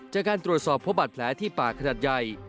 จากการตรวจสอบพบบัตรแผลที่ปากขนาดใหญ่